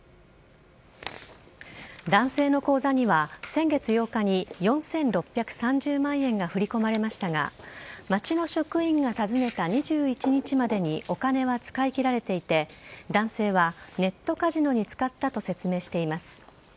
男性の口座には先月８日に４６３０万円が振り込まれましたが町の職員が訪ねた２１日までにお金は使い切られていて男性はネットカジノに使ったと説明しています。